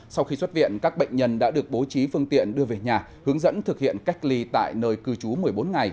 sau khi xuất viện các bệnh nhân đã được bố trí phương tiện đưa về nhà hướng dẫn thực hiện cách ly tại nơi cư trú một mươi bốn ngày